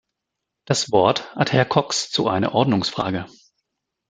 Das Wort hat Herr Cox zu einer Ordnungsfrage.